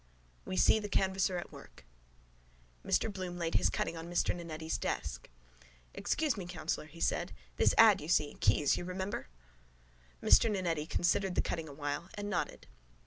WE SEE THE CANVASSER AT WORK Mr Bloom laid his cutting on Mr Nannetti's desk. —Excuse me, councillor, he said. This ad, you see. Keyes, you remember? Mr Nannetti considered the cutting awhile and nodded.